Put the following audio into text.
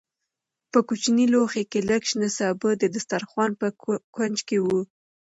په کوچني لوښي کې لږ شنه سابه د دسترخوان په کونج کې وو.